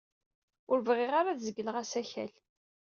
Ur bɣiɣ ara ad zegleɣ asakal.